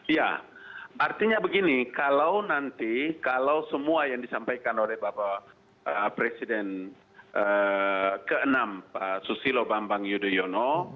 ya artinya begini kalau nanti kalau semua yang disampaikan oleh bapak presiden ke enam pak susilo bambang yudhoyono